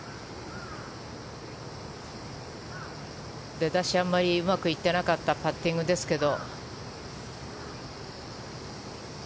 出だしはあまりうまくいっていなかったパッティングですけど。